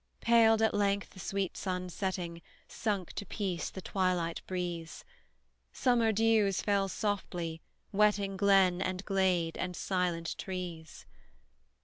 Paled, at length, the sweet sun setting; Sunk to peace the twilight breeze: Summer dews fell softly, wetting Glen, and glade, and silent trees.